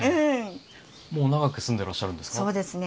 もう長く住んでらっしゃるんですか？